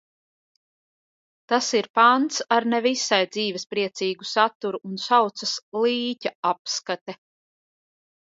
"Tas ir pants ar ne visai dzīvespriecīgu saturu un saucas "Līķa apskate"."